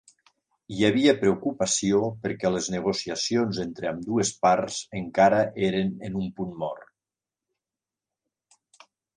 Hi havia preocupació perquè les negociacions entre ambdues parts encara eren en un punt mort.